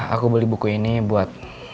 aku beli buku ini buat